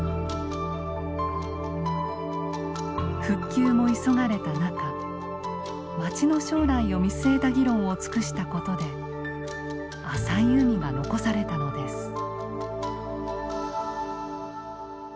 復旧も急がれた中町の将来を見据えた議論を尽くしたことで浅い海が残されたのです。